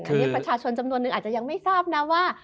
อันนี้ประชาชนจำนวนนึงอาจจะยังไม่ทราบนะว่า